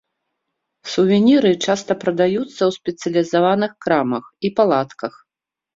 Сувеніры часта прадаюцца ў спецыялізаваных крамах і палатках.